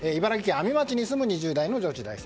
阿見町に住む２０代の女子大生。